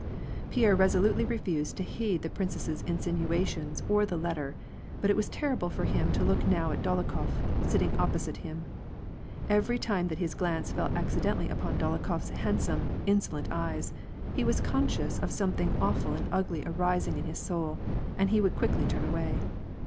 Pierre resolutely refused to heed the princess's insinuations or the letter, but it was terrible for him to look now at Dolo khof, sitting opposite him. Every time that his glance fell ac cidentally upon Dolokhof's handsome, insolent eyes, he was conscious of something awful and ugly arising in his soul, and he would quickly turn away.